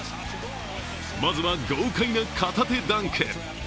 まずは豪快な片手ダンク。